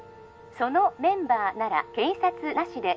☎そのメンバーなら警察なしで